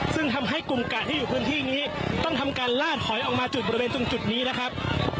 ซึ่งทำให้กลุ่มกะที่อยู่พื้นที่นี้ต้องทำการลาดถอยออกมาจุดบริเวณตรงจุดนี้นะครับ